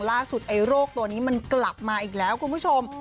ไอ้โรคตัวนี้มันกลับมาอีกแล้วคุณผู้ชม